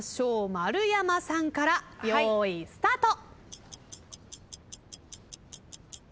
丸山さんから用意スタート。